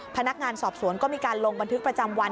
พนักงานสอบสวนก็มีการลงบันทึกประจำวัน